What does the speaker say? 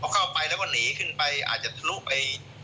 เข้าไปแล้วก็หนีขึ้นไปอาจจะทะลุไป